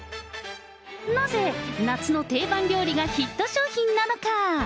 なぜ夏の定番料理がヒット商品なのか。